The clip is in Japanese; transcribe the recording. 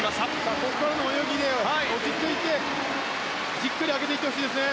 ここまでの泳ぎで落ち着いてじっくり上げていってほしいですね。